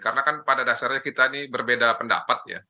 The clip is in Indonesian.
karena kan pada dasarnya kita ini berbeda pendapat ya